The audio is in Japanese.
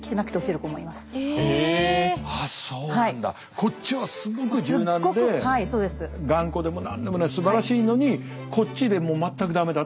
こっちはすごく柔軟で頑固でも何でもないすばらしいのにこっちで全くダメだと。